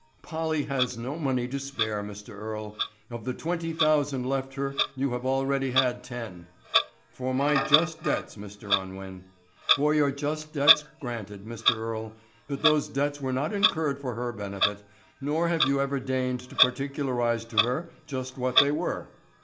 "Polly has no money to spare, Mr. Earle. Of the twenty thousand left her you have already had ten——" "For my just debts, Mr. Unwin." "For your just debts, granted, Mr. Earle, but those debts were not incurred for her benefit, nor have you ever deigned to particularize to her just what they were."